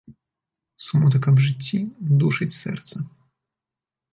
Смутак аб жыцці душыць сэрца.